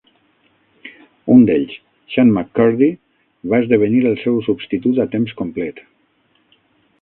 Un d'ells, Xan McCurdy, va esdevenir el seu substitut a temps complet.